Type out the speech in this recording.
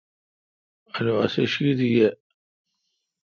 اولو اسی شیشت یہ۔